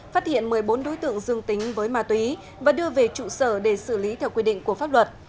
phát hiện một mươi bốn đối tượng dương tính với ma túy và đưa về trụ sở để xử lý theo quy định của pháp luật